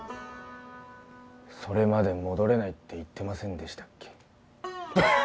それまで戻れないって言ってませんでしたっけ